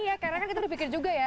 iya karena kan kita udah pikir juga ya